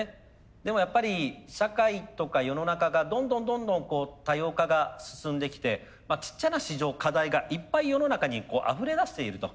でもやっぱり社会とか世の中がどんどんどんどんこう多様化が進んできてちっちゃな市場課題がいっぱい世の中にあふれ出していると。